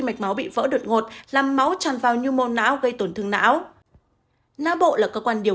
mạch máu bị vỡ đột ngột làm máu tràn vào nhu mô não gây tổn thương não na bộ là cơ quan điều